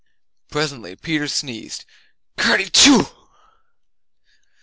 Presently Peter sneezed "Kertyschoo!"